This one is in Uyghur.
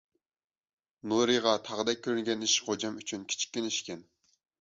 نۇرىغا تاغدەك كۆرۈنگەن ئىش غوجام ئۈچۈن كىچىككىنە ئىشكەن.